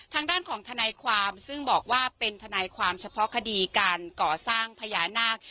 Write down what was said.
ทางด้านของทนายความซึ่งบอกว่าเป็นทนายความเฉพาะคดีการก่อสร้างพญานาค